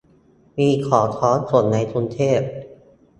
มีของพร้อมส่งในกรุงเทพ